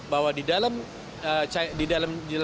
bahwa di dalam